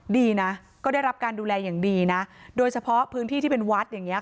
ดีนะก็ได้รับการดูแลอย่างดีนะโดยเฉพาะพื้นที่ที่เป็นวัดอย่างเงี้